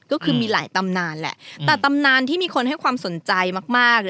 ก็คือมีหลายตำนานแหละแต่ตำนานที่มีคนให้ความสนใจมาก